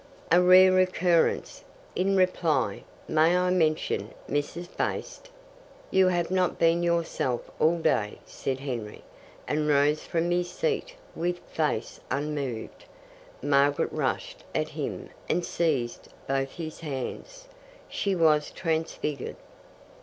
"A rare occurrence. In reply, may I mention Mrs. Bast?" "You have not been yourself all day," said Henry, and rose from his seat with face unmoved. Margaret rushed at him and seized both his hands. She was transfigured.